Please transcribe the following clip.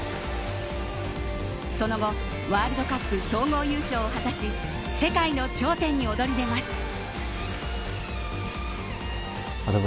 その後、ワールドカップ総合優勝を果たし世界の頂点に躍り出ます。